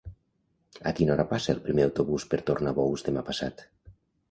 A quina hora passa el primer autobús per Tornabous demà passat?